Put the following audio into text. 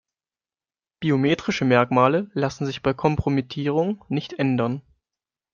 Biometrische Merkmale lassen sich bei Kompromittierung nicht ändern.